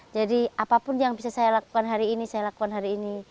jadi apapun yang bisa saya lakukan hari ini saya lakukan hari ini